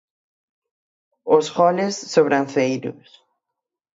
Os goles sobranceiros.